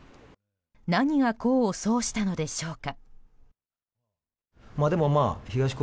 何が功を奏したのでしょうか。